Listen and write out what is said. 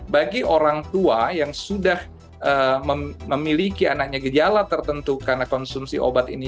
bagi orang tua yang sudah memiliki anaknya gejala tertentu karena konsumsi obat ini